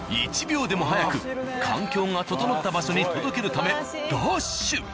１秒でも早く環境が整った場所に届けるためダッシュ！